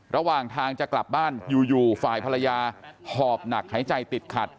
ระหว่างทางจะกลับบ้านอยู่ฝ่ายภรรยาหอบหนักหายใจติดขัด